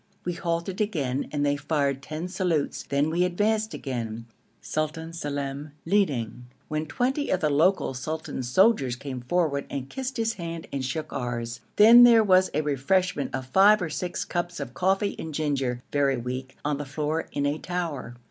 We halted again, and they fired ten salutes; then we advanced again, Sultan Salem leading, when twenty of the local sultan's soldiers came forward and kissed his hand and shook ours. Then there was a refreshment of five or six cups of coffee and ginger, very weak, on the floor in a tower.